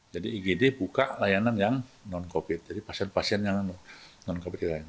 jadi igd buka layanan yang non covid jadi pasien pasien yang non covid